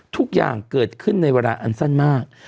ทุกอย่างเกิดขึ้นในเวลาอันสั้นมาก